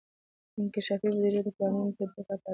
انکشافي بودیجه د پلانونو تطبیق لپاره ده.